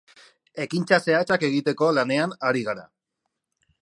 Ekintza zehatzak egiteko lanean ari gara.